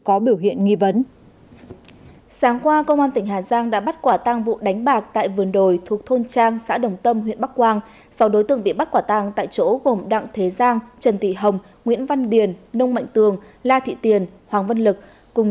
công an huyện tam dương đã bắt giữ hai đối tượng gây ra vụ cướp trên là nguyễn văn phương